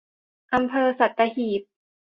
อำเภอสัตหีบ